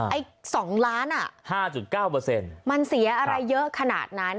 ไอ้สองล้านอ่ะห้าจุดเก้าเปอร์เซ็นต์มันเสียอะไรเยอะขนาดนั้น